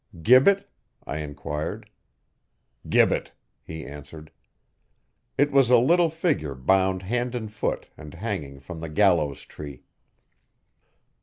'Gibbet?' I enquired. 'Gibbet,' he answered. It was a little figure bound hand and foot and hanging from the gallows tree.